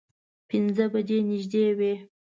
پینځه بجې نږدې وې.